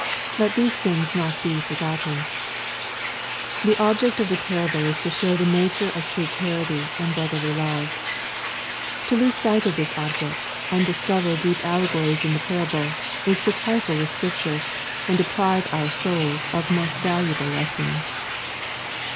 Let these things not be forgotten. / The object of the parable is to show the nature of true charity and brotherly love. ^To lose sight of this object, and dis cover deep allegories in the parable, is to trifle with Scripture, and deprive our souls of most valuable lessons.